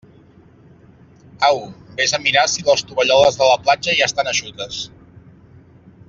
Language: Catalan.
Au, vés a mirar si les tovalloles de la platja ja estan eixutes.